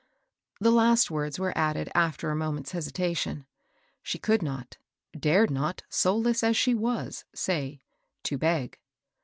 The last words were added after a moment's AEKTOCRACY. 807 hesitation. She could not — dared not, soulless as she was, say " to beg.